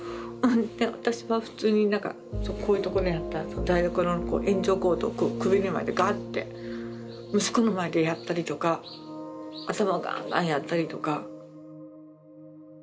で私は普通に何かこういうところにあった台所の延長コードをこう首に巻いてガーッて息子の前でやったりとか頭ガンガンやったりとか。